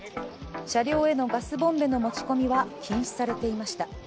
車両へのガスボンベの持ち込みは禁止されていました。